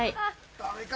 ダメか。